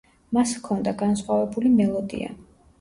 მას ჰქონდა განსხვავებული მელოდია.